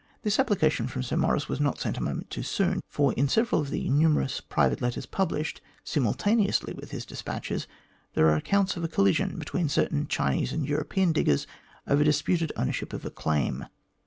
This application from Sir Maurice was not sent a moment too soon, for in several of the numerous private letters published simultaneously with his despatches, there are accounts of a collision between certain Chinese and European diggers over the disputed ownership of a claim.